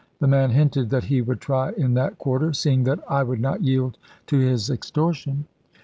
The man hinted that he would try in that quarter, seeing that I would not yield to his extortion."